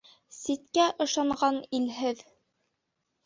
Ситкә ышанған илһеҙ